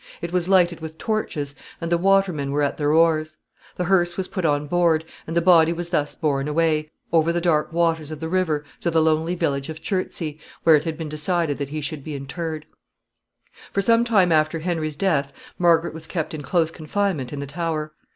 It was lighted with torches, and the watermen were at their oars. The hearse was put on board, and the body was thus borne away, over the dark waters of the river, to the lonely village of Chertsey, where it had been decided that he should be interred. [Sidenote: Margaret in confinement.] [Sidenote: Wallingford.] For some time after Henry's death Margaret was kept in close confinement in the Tower.